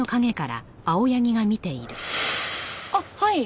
あっはい。